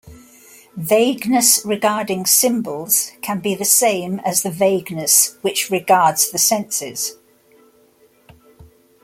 Vagueness regarding symbols can be the same as the vagueness which regards the senses.